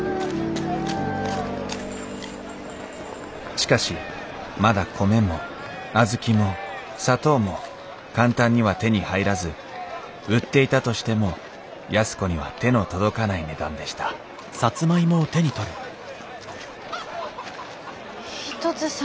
しかしまだ米も小豆も砂糖も簡単には手に入らず売っていたとしても安子には手の届かない値段でした一つ３円ですか？